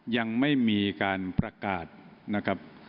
ยังไม่มีการประกาศนะครับ